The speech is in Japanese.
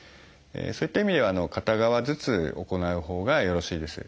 そういった意味では片側ずつ行うほうがよろしいです。